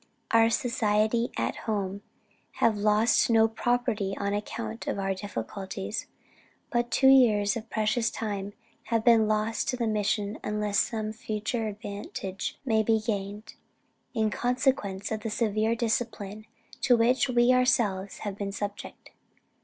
Our society at home have lost no property on account of our difficulties; but two years of precious time have been lost to the mission unless some future advantage may be gained, in consequence of the severe discipline to which we ourselves have been subject.